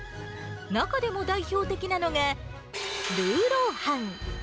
中でも代表的なのが、ルーロー飯。